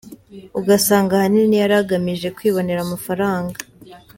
ugasanga ahanini yari agamije kwibonera amafaranga.